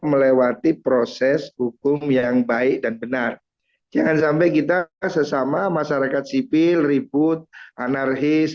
melewati proses hukum yang baik dan benar jangan sampai kita sesama masyarakat sipil ribut anarkis